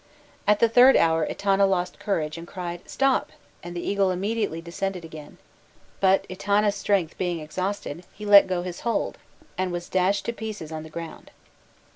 '" At the third hour Etana lost courage, and cried, "Stop!" and the eagle immediately descended again; but, Etana's strength being exhausted, he let go his hold, and was dashed to pieces on the ground.